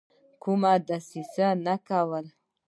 کومه دسیسه نه کوله.